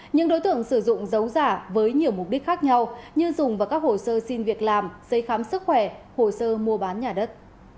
những đối tượng sử dụng dấu giả với nhiều mục đích khác nhau như dùng vào các hồ sơ xin việc làm giấy khám sức khỏe hồ sơ mua bán nhà đất